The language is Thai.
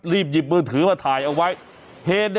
รีบยีบมือถือมาถ่ายเอาไว้เวลาไปเนี่ย